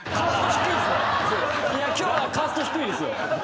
今日はカースト低いです。